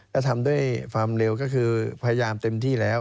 ก็ทำด้วยความเร็วก็คือพยายามเต็มที่แล้ว